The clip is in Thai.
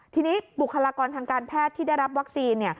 ทีนี้บุคลากรทางการแพทย์ที่ได้รับวัคซีน